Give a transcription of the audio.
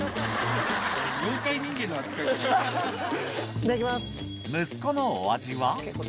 いただきます。